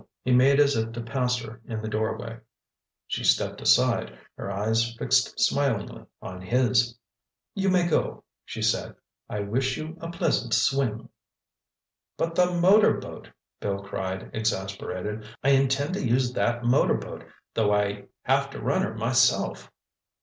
He made as if to pass her in the doorway. She stepped aside, her eyes fixed smilingly on his. "You may go," she said. "I wish you a pleasant swim." "But the motor boat," Bill cried, exasperated. "I intend to use that motor boat, though I have to run her myself."